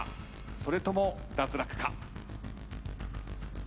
それとも脱落か。